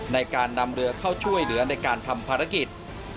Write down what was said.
ในการนำเรือเข้าช่วยเหลือในการทำภารกิจ